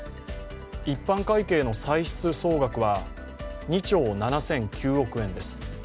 一般会計の歳出総額は２兆７００９億円です。